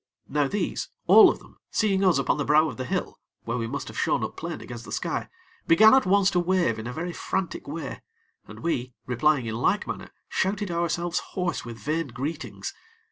Now these, all of them, seeing us upon the brow of the hill, where we must have shown up plain against the sky, began at once to wave in a very frantic way, and we, replying in like manner, shouted ourselves hoarse with vain greetings.